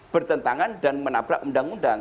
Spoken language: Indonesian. bertentangan dan menabrak undang undang